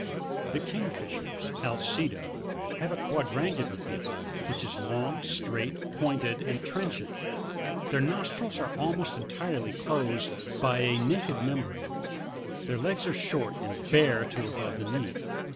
The Kingfishers,— v^/ce£/o,~(r/a/« 3, fig. 10.)— have a quadrangular beak, which is long, straight, pointed and trenchant ; their nostrils are almost entirely closed by a naked membrane ; their legs are short, and bare to above the knee.